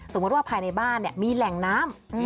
สมมุติว่าภายในบ้านเนี่ยมีแหล่งน้ำ